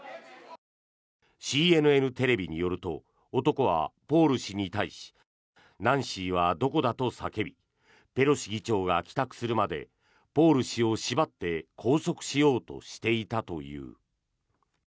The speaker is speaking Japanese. ＣＮＮテレビによると男はポール氏に対しナンシーはどこだと叫びペロシ議長が帰宅するまでポール氏を縛って拘束しようとしていたという。